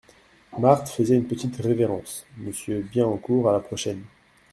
Marthe faisant une petite révérence. — Monsieur Bienencourt, à la prochaine !